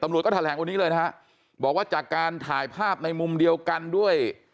ตำรวจก็แถลงวันนี้เลยนะฮะบอกว่าจากการถ่ายภาพในมุมเดียวกันด้วย